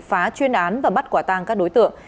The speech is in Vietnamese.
phá chuyên án và bắt quả tang các đối tượng